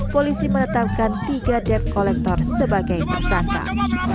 polisi menetapkan tiga dep kolektor sebagai pesatak